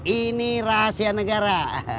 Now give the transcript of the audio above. ini rahasia negara